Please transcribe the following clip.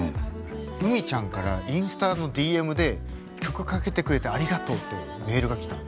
ＵＭＩちゃんからインスタのＤＭで曲かけてくれてありがとうっていうメールが来たの。